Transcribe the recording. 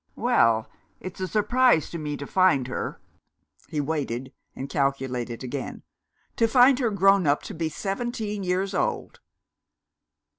Well! it's a surprise to me to find her " he waited, and calculated again, "to find her grown up to be seventeen years old."